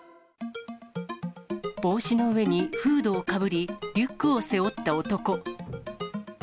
帽子の上にフードをかぶり、リュックを背負った男。